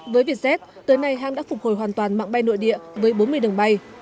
với vietjet tới nay hãng đã phục hồi hoàn toàn mạng bay nội địa với bốn mươi đường bay